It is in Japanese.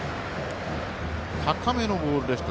高めのボールでした。